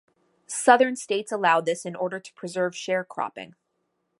Southern states allowed this in order to preserve sharecropping.